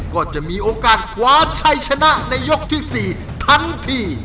ก็จะมีโอกาสคว้าชัยชนะในยกที่๔ทันที